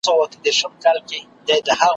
او ورپسې د ژمي سوړ موسم `